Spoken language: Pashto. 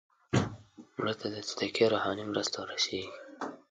مړه ته د صدقې روحاني مرسته ورسېږي